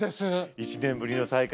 １年ぶりの再会